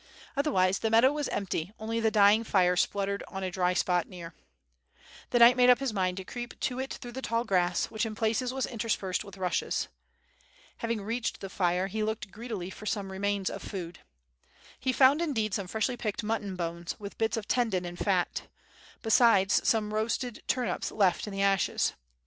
Otherwise the meadow was empty, only the dying fire spluttered on a dry spot near. The knight made up his mind to creep to it through the tall grass, which in places was interspersed with rushes. Having reached the fire he looked greedily for some remains of food. He found indeed some freshly picked mutton bones with bits of tendon and fat, besides some roasted turnips left in the ashes.